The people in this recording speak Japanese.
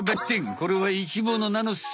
これは生きものなのっす！